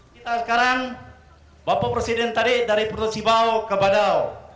kita sekarang bawa presiden tadi dari pertusibau ke badau